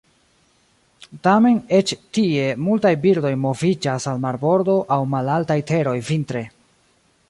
Tamen eĉ tie multaj birdoj moviĝas al marbordo aŭ malaltaj teroj vintre.